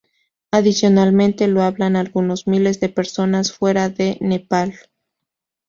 Adicionalmente, lo hablan algunos miles de personas fuera de Nepal.